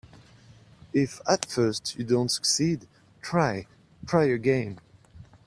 If at first you don't succeed, try, try again.